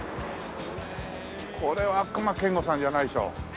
これは隈研吾さんじゃないでしょ。